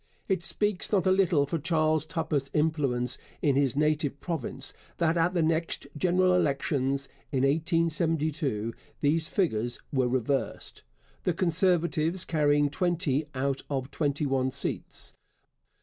It speaks not a little for Charles Tupper's influence in his native province that at the next general elections (in 1872) these figures were reversed, the Conservatives carrying twenty out of twenty one seats.